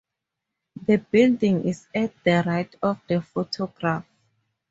The building is at the right of the photograph.